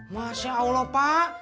masya allah pak